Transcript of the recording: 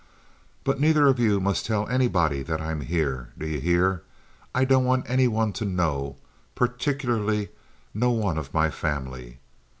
"But neither of you must tell anybody that I'm here, do you hear? I don't want any one to know—particularly no one of my family.